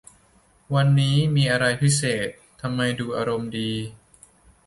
วันนี้มีอะไรพิเศษ ทำไมดูอารมณ์ดี